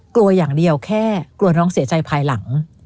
กลัวอย่างเดียวแค่กลัวน้องเสียใจภายหลัง